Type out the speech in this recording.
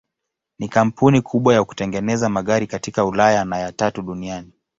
Ni kampuni kubwa ya kutengeneza magari katika Ulaya na ya tatu duniani.